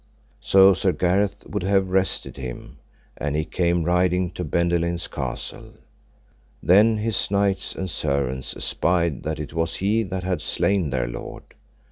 So Sir Gareth would have rested him, and he came riding to Bendelaine's castle. Then his knights and servants espied that it was he that had slain their lord.